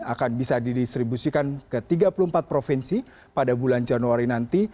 akan bisa didistribusikan ke tiga puluh empat provinsi pada bulan januari nanti